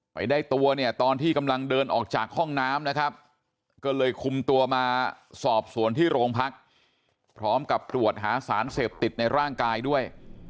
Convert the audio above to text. ไปได้ตัวเนี่ยตอนที่กำลังเดินออกจากห้องน้ำนะครับก็เลยคุมตัวมาสอบสวนที่โรงพักพร้อมกับตรวจหาสารเสพติดในร่างกายด้วย